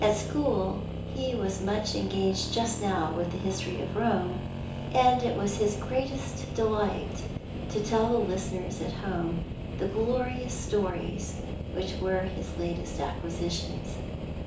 At school he was much engaged just now with the history of Rome, and it was his greatest delight to tell the listeners at home the glorious stories which were his latest acquisitions.